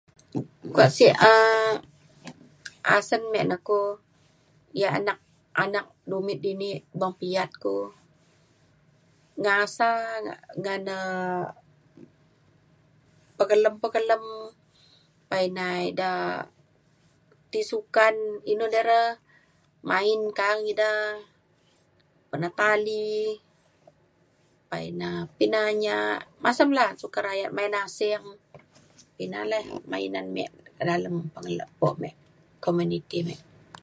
Kuak sek um asen me ne ku anak anak dumit dini beng piak ku ngasa ngan um pekelem pekelem pa ina ida ti sukan inu de re main ka’ang ida penat tali pa ina pinayak masem la sukat um yak main asing. Ina le mainan ame kak dalem pengelepo me komuniti me.